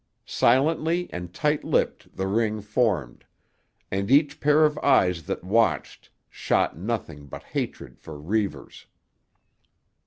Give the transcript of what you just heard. Silently and tight lipped the ring formed; and each pair of eyes that watched shot nothing but hatred for Reivers.